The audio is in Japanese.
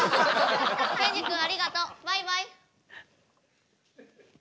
ケンジ君ありがとう。バイバイ。